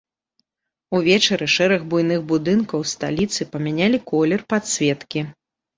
Увечары шэраг буйных будынкаў сталіцы памянялі колер падсветкі.